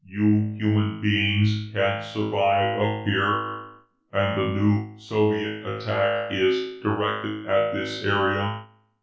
"You human beings can't survive up here. And the new Soviet attack is directed at this area.